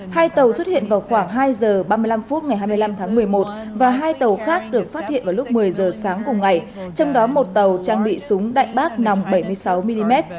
hai tàu xuất hiện vào khoảng hai giờ ba mươi năm phút ngày hai mươi năm tháng một mươi một và hai tàu khác được phát hiện vào lúc một mươi giờ sáng cùng ngày trong đó một tàu trang bị súng đại bác nòng bảy mươi sáu mm